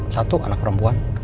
satu anak perempuan